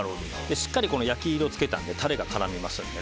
しっかり焼き色を付けたのでタレも絡みます。